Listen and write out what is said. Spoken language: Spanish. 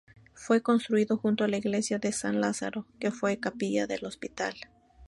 Fue construido junto a la iglesia de San Lázaro, que fue capilla del hospital.